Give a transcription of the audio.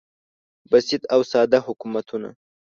بسیط او ساده حکومتونه